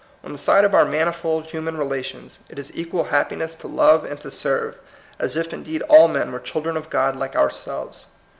On the side of our manifold human relations, it is equal hap piness to love and to serve, as if indeed all men were children of God like ourselves.